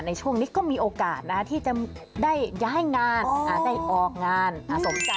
ในช่วงนี้ก็มีโอกาสที่จะได้ย้ายงานได้ออกงาน